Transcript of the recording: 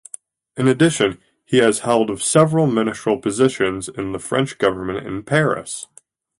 In addition, he has held several ministerial positions in the French government in Paris.